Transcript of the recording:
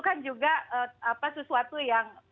kan juga sesuatu yang